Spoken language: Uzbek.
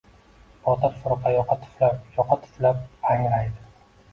Botir firqa yoqa tuflab-yoqa tuflab, angraydi.